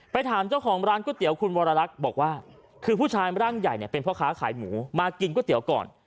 ถามเจ้าของร้านก๋วยเตี๋ยวคุณวรลักษณ์บอกว่าคือผู้ชายร่างใหญ่เนี่ยเป็นพ่อค้าขายหมูมากินก๋วยเตี๋ยวก่อน